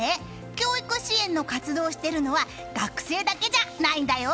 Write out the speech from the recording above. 教育支援の活動をしているのは学生だけじゃないんだよ。